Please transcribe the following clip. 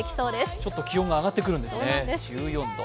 ちょっと気温が上がってくるんですね、１４度。